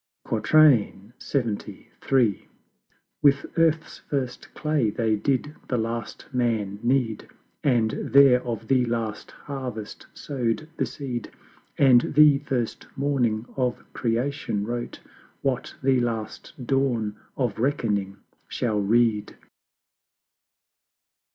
LXXIII. With Earth's first Clay They did the Last Man knead, And there of the Last Harvest sow'd the Seed: And the first Morning of Creation wrote What the Last Dawn of Reckoning shall read.